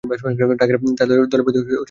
Tiger তার দলের প্রতি জোর দিচ্ছেন।